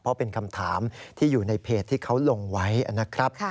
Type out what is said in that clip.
เพราะเป็นคำถามที่อยู่ในเพจที่เขาลงไว้นะครับ